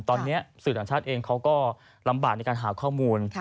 ตอนนี้สื่อต่างชาติเองเขาก็ลำบากในการหาข้อมูล